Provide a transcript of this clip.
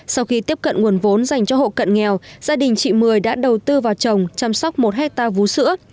sau khi tiếp cận nguồn vốn dành cho hộ cận nghèo gia đình chị mười đã đầu tư vào trồng chăm sóc một hectare vũ sữa